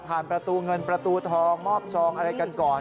ประตูเงินประตูทองมอบซองอะไรกันก่อน